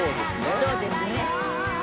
「そうですね」